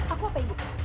aku apa ibu